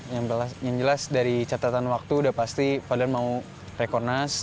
yang jelas dari catatan waktu udah pasti padahal mau rekonas